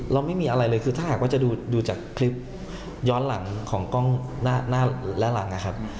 ไม่มีอะไรเลยคือถ้าหากว่าจะดูจากคลิปย้อนหลังของกล้องหน้าและหลังนะครับ